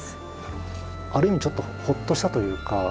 ある意味ちょっとホッとしたというか。